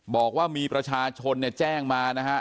บอกว่ามีประชาชนเนี่ยแจ้งมานะฮะ